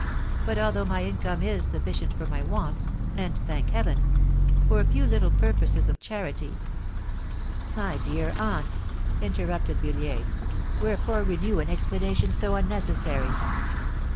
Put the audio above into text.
But—although my income is sufficient for my wants, and, thank heaven! for a few little purposes of charity——" "My dear aunt!" interrupted Villiers; "wherefore renew an explanation so unnecessary?"